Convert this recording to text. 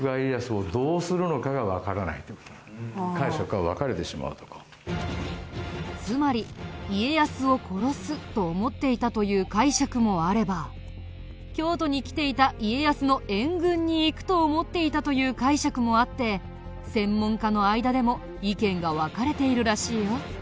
これがつまり家康を殺すと思っていたという解釈もあれば京都に来ていた家康の援軍に行くと思っていたという解釈もあって専門家の間でも意見が分かれているらしいよ。